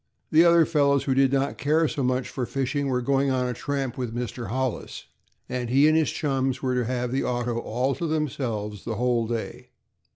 The other fellows, who did not care so much for fishing, were going on a tramp with Mr. Hollis, and he and his chums were to have the auto all to themselves the whole day.